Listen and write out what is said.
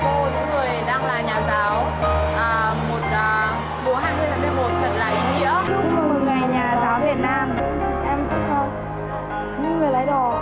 những người đang là nhà giáo mùa hai mươi tháng một mươi một thật là ý nghĩa